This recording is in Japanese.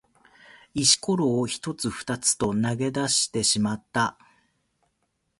石ころを一つ二つと投げ出してしまった。